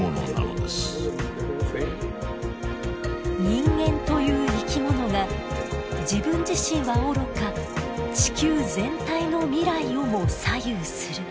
人間という生き物が自分自身はおろか地球全体の未来をも左右する。